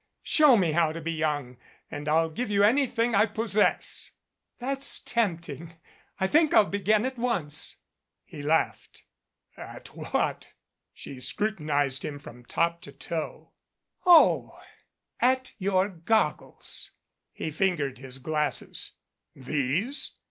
Show me how to be young and I'll give you anything I possess." "That's tempting. I think I'll begin at once." 66 "WAKE ROBIN" He laughed. "At what?" She scrutinized him from top to toe. "Oh, at your goggles." He fingered his glasses. "These?"